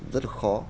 rất là khó